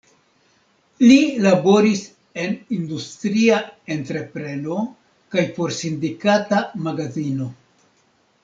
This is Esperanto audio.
Li laboris en industria entrepreno kaj por sindikata magazino.